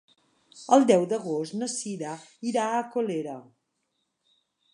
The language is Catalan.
El deu d'agost na Cira irà a Colera.